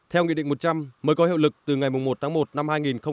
theo nghị định một trăm linh mới có hiệu lực từ ngày một tháng một năm hai nghìn hai mươi